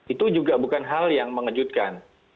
itu juga bukan hal yang mengejutkan